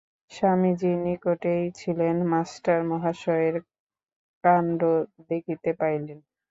স্বামীজী নিকটেই ছিলেন, মাষ্টার মহাশয়ের কাণ্ড দেখিতে পাইলেন।